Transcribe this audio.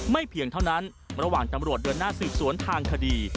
เพียงเท่านั้นระหว่างตำรวจเดินหน้าสืบสวนทางคดี